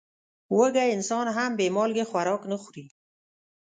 وږی انسان هم بې مالګې خوراک نه خوري.